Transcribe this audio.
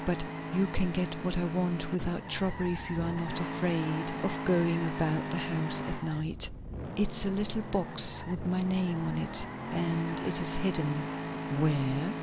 But you can get what I want without trouble if you are not afraid of going about the house at night. It's a little box with my name on it; and it is hidden " "Where?"